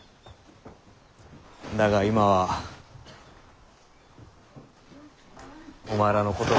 だが今はお前らのことが。